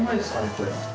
これ。